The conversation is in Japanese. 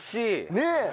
ねえ。